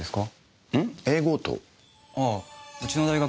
ああうちの大学